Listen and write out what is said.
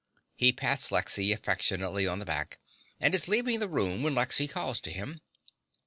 (He pats Lexy affectionately on the back, and is leaving the room when Lexy calls to him.)